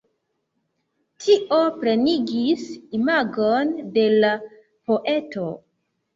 Tio plenigis imagon de la poeto.